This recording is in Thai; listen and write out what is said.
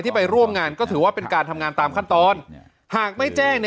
ไปร่วมงานก็ถือว่าเป็นการทำงานตามขั้นตอนหากไม่แจ้ง